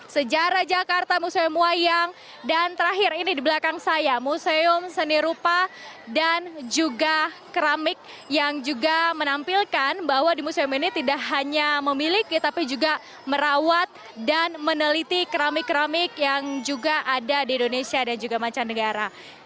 sejarah jakarta museum wayang dan terakhir ini di belakang saya museum seni rupa dan juga keramik yang juga menampilkan bahwa di museum ini tidak hanya memiliki tapi juga merawat dan meneliti keramik keramik yang juga ada di indonesia dan juga mancanegara